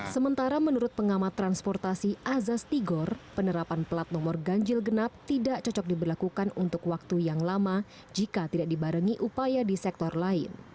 sementara menurut pengamat transportasi azas tigor penerapan plat nomor ganjil genap tidak cocok diberlakukan untuk waktu yang lama jika tidak dibarengi upaya di sektor lain